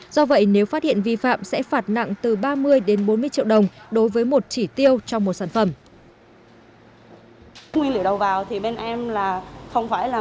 do vậy nếu phát hiện vi phạm thì chúng tôi cũng sẵn sàng làm chuyển đẻ và không lợi trừ